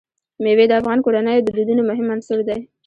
مېوې د افغان کورنیو د دودونو مهم عنصر دی.